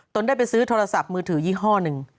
ได้ไปซื้อโทรศัพท์มือถือยี่ห้อหนึ่ง